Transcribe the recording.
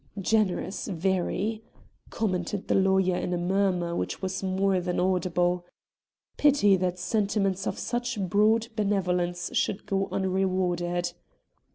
"Generous, very!" commented the lawyer in a murmur which was more than audible. "Pity that sentiments of such broad benevolence should go unrewarded."